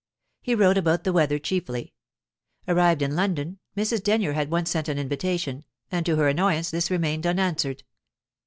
He wrote about the weather chiefly. Arrived in London, Mrs. Denyer at once sent an invitation, and to her annoyance this remained unanswered.